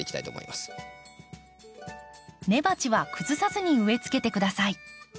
根鉢は崩さずに植えつけて下さい。